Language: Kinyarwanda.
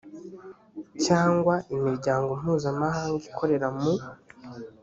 cyangwa imiryango mpuzamahanga ikorera mu